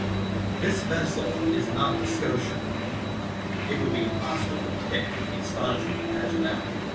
"This vessel is not the SCOTIA." It would be impossible to depict the astonishment of Paganel.